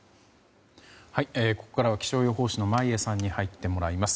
ここからは気象予報士の眞家さんに入ってもらいます。